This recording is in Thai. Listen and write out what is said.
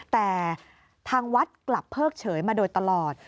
แต่ทางวัดกลับเพิกเฉยมาโดยตลอด